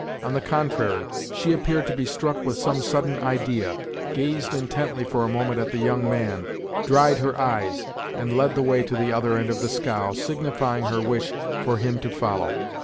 On the contrary, she appeared to be struck with some sudden idea, gazed intently for a moment at the young man, dried her eyes, and led the way to the other end of the scow, signifying her wish for him to follow.